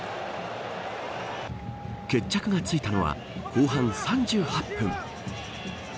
決着がついたのは後半３８分。